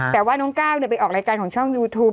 แต่ว่าน้องก้าวไปออกรายการของช่องยูทูป